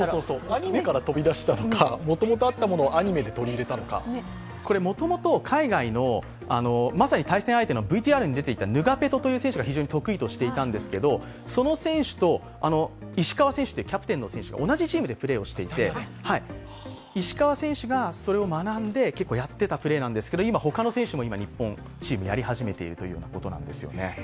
アニメから飛び出したのかもともとあったのをアニメが取り入れたのかこれ、もともと海外の、まさに対戦相手のＶＴＲに出ていたヌガペトという選手が非常に得意としていたんですけど、その選手と石川選手ってキャプテンの選手が同じチームでプレーをしていて、石川選手がそれを学んで結構やっていたプレーなんですけど、今、他の選手も日本チームやり始めているということなんですね。